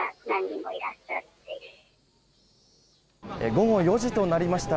午後４時となりました。